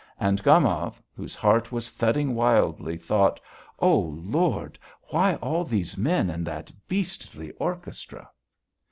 And Gomov, whose heart was thudding wildly, thought: "Oh, Lord! Why all these men and that beastly orchestra?"